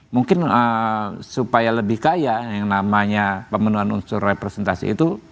mungkin supaya lebih kaya yang namanya pemenuhan unsur representasi itu